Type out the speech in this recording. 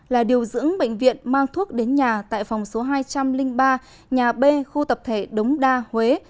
là điều dưỡng bệnh viện mang thuốc đến nhà tại phòng số hai trăm linh ba nhà b khu tập thể đống đa huế